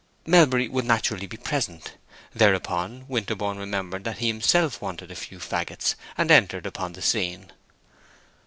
Melbury would naturally be present. Thereupon Winterborne remembered that he himself wanted a few fagots, and entered upon the scene.